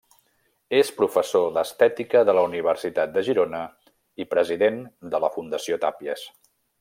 És professor d’estètica de la Universitat de Girona i president de la Fundació Tàpies.